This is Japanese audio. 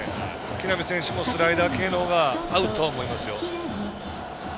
木浪選手も、スライダー系の方が合うと思いますよ。